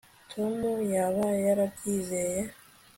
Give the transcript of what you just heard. tom yaba yarabyizeye